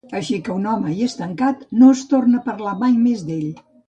Així que un home hi és tancat, no es torna a parlar mai més d'ell.